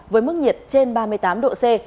với mức nhiệt trên ba mươi tám độ c